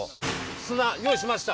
砂用意しました。